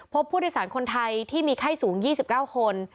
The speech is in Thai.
พบผู้โดยสารคนไทยที่มีไข้สูง๒๙คน